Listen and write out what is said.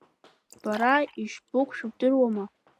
Бара ишбықәшәо бдыруама?